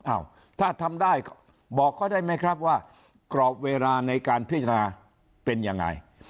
อ้าวถ้าทำได้บอกเขาได้ไหมครับว่ากรอบเวลาในการพิจารณาเป็นยังไง